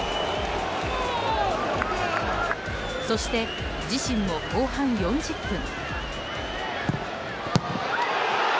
そして自身も後半４０分。